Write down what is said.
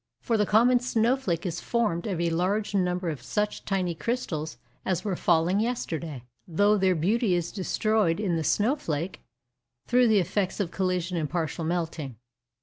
For the common snow flake is formed of a large number of such tiny crystals as were falling yesterday; though their beauty is destroyed in the snow flake, through the effects of collision and partial melting.